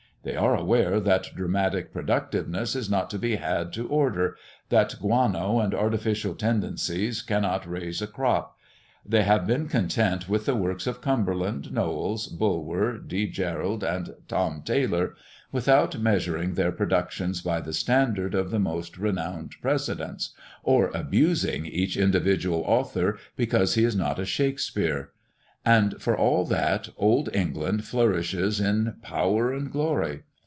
They are aware that dramatic productiveness is not to be had to order, that guano and artificial tendencies cannot raise a crop; they have been content with the works of Cumberland, Knowles, Bulwer, D. Jerrold, and Tom Taylor, without measuring their productions by the standard of the most renowned precedents, or abusing each individual author because he is not a Shakespeare. And for all that, Old England flourishes in power and glory.